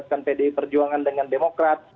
pdi perjuangan dengan demokrat